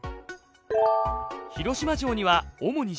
広島城には主に自然石。